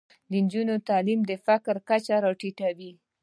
د نجونو تعلیم د فقر کچه راټیټوي.